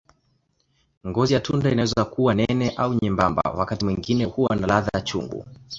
Ngozi ya tunda inaweza kuwa nene au nyembamba, wakati mwingine huwa na ladha chungu.